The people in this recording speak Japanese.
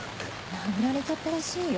殴られちゃったらしいよ。